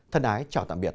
thân ái chào tạm biệt